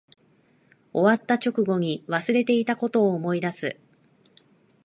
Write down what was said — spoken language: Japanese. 終わった直後に忘れていたことを思い出す